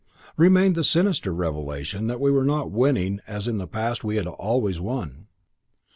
Remained the sinister revelation that we were not winning as in the past we had "always won."